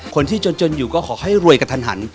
คนที่จนอยู่ก็ขอให้รวยกระทันหัน